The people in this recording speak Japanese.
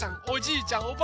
おじいちゃん